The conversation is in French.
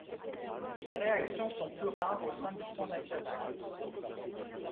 Ces réactions sont plus rares au sein du Front national.